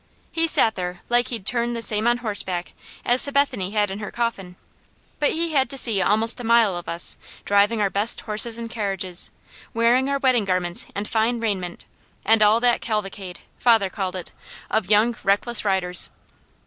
He sat there like he'd turned the same on horseback as Sabethany had in her coffin; but he had to see almost a mile of us driving our best horses and carriages, wearing our wedding garments and fine raiment, and all that "cavalcade," father called it, of young, reckless riders.